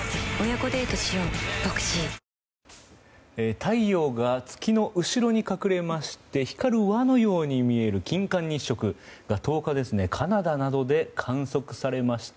太陽がつくの後ろに隠れまして光る輪のように見える金環日食が１０日カナダなどで観測されました。